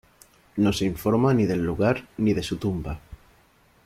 No se informa ni del lugar ni de su tumba.